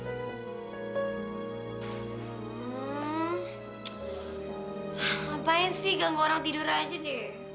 ngapain sih gang orang tidur aja nih